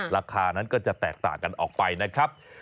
ราคานั้นก็จะแตกต่างกันออกไปนะครับ